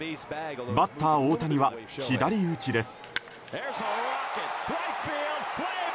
バッター大谷は左打ちです。